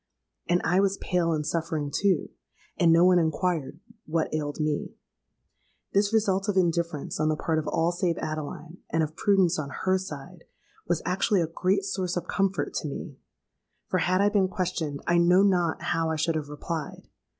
And I was pale and suffering too; and no one inquired what ailed me. This result of indifference on the part of all save Adeline,—and of prudence on her side,—was actually a great source of comfort to me; for had I been questioned, I know not how I should have replied.